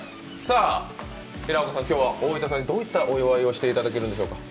平岡さん、今日はどういったお祝いをしていただけるんでしょうか？